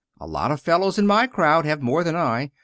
A lot of the fellows in my crowd have more than I.